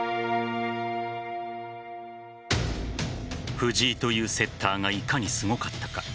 藤井というセッターがいかにすごかったか。